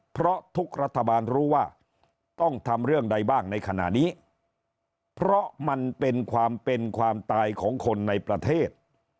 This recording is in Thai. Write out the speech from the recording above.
เพราะทุกรัฐบาลรู้ว่าต้องทำเรื่องใดบ้างในขณะนี้เพราะมันเป็นความเป็นความตายของคนในประเทศ